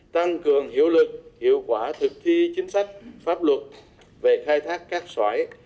tăng cường hiệu lực hiệu quả thực thi chính sách pháp luật về khai thác cát sỏi